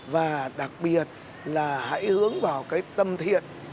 và đặc biệt là hãy hướng vào cái tâm thiện